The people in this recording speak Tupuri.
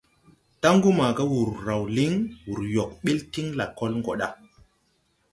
Taŋgu maaga wùr raw líŋ, wùr yɔg ɓil tiŋ lakɔl gɔ ɗa.